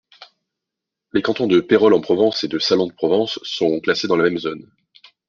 Les cantons de Peyrolles-en-Provence et de Salon-de-Provence sont classés dans la même zone.